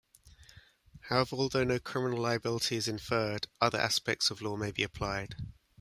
However, although no criminal liability is inferred, other aspects of law may be applied.